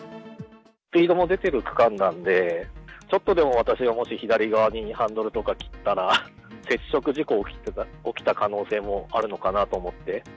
スピードも出てる区間なんで、ちょっとでも私がもし左側にハンドルとか切ったら、接触事故起きた可能性もあるのかなと思って。